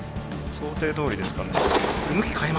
想定どおりですかね？